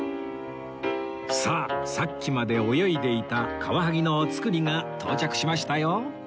さあさっきまで泳いでいたカワハギのお造りが到着しましたよ